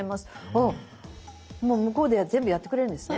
ああもう向こうで全部やってくれるんですね。